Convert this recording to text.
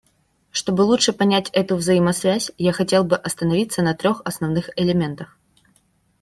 Чтобы лучше понять эту взаимосвязь, я хотел бы остановиться на трех основных элементах.